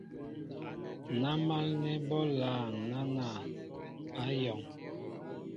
Ná málnɛ́ bɔ́ lâŋ náná , á yɔ̄ŋ.